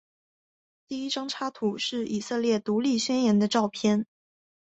第一张插图是以色列独立宣言的照片。